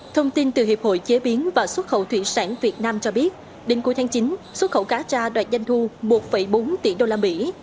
thông tin từ hiệp hội chế biến và xuất khẩu thủy sản việt nam cho biết đến cuối tháng chín xuất khẩu cà tra đoạt danh thu một bốn tỷ đồng